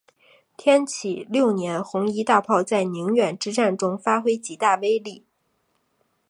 天启六年红夷大炮在宁远之战中发挥极大威力。